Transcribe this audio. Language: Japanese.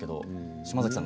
島崎さん